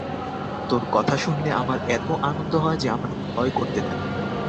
তোর কথা শুনলে আমার এত আনন্দ হয় যে আমার ভয় করতে থাকে।